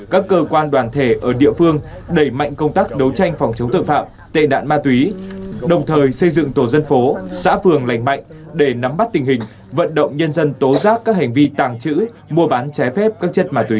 các cơ quan đoàn thể ở địa phương đẩy mạnh công tác đấu tranh phòng chống tội phạm tệ nạn ma túy đồng thời xây dựng tổ dân phố xã phường lành mạnh để nắm bắt tình hình vận động nhân dân tố giác các hành vi tàng trữ mua bán trái phép các chất ma túy